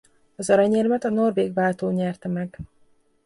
Az aranyérmet a norvég váltó nyerte meg.